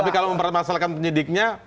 tapi kalau mempermasalkan penyidiknya